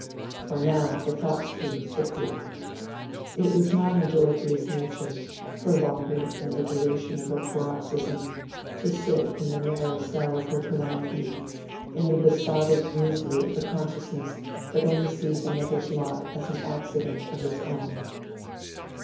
For now the thoughts came thickly. It was not in Dorothea's nature, for longer than the duration of a paroxysm, to sit in the narrow cell of her calamity, in the besotted misery of a consciousness that only sees another's lot as an accident of its own.